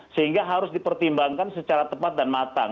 sehingga harus dipertimbangkan secara tepat dan matang